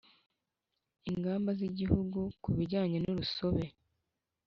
Ingamba z Igihugu ku bijyanye n urusobe